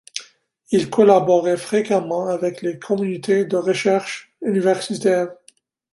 Il collaborait fréquemment avec les communautés de recherche universitaire.